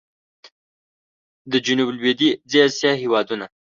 د جنوب لوېدیځي اسیا هېوادونه